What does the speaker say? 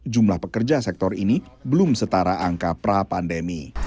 jumlah pekerja sektor ini belum setara angka pra pandemi